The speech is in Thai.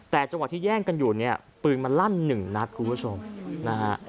แต่จังหวะที่แย่งกันอยู่เนี่ยปืนมันลั่นหนึ่งนัดคุณผู้ชมนะฮะ